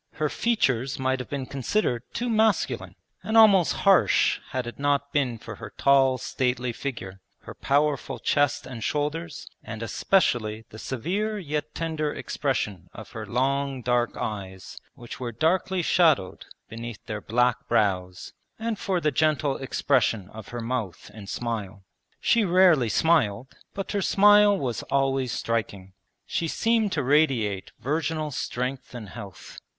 Her features might have been considered too masculine and almost harsh had it not been for her tall stately figure, her powerful chest and shoulders, and especially the severe yet tender expression of her long dark eyes which were darkly shadowed beneath their black brows, and for the gentle expression of her mouth and smile. She rarely smiled, but her smile was always striking. She seemed to radiate virginal strength and health.